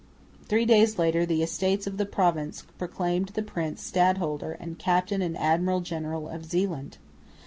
Three days later the Estates of the Province proclaimed the prince stadholder and captain and admiral general of Zeeland.